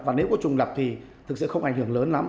và nếu có trùng lập thì thực sự không ảnh hưởng lớn lắm